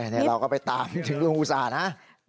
นี่เราก็ไปตามถึงลูงอุศานะ